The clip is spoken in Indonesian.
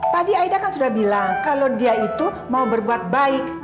tadi aida kan sudah bilang kalau dia itu mau berbuat baik